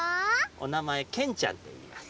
おなまえ「けんちゃん」といいます。